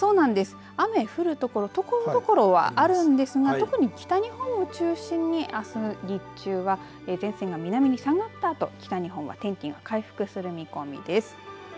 雨降るところところどころはあるんですが特に北日本を中心にあす日中は前線が南に下がったあと北日本は天気が回復する見込みです。